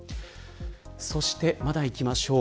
そして、まだいきましょう。